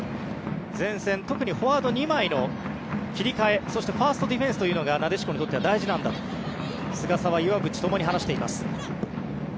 前線特にフォワード２枚の切り替えそして、ファーストディフェンスというのがなでしこにとっては大事なんだと菅澤、岩渕ともに話しています。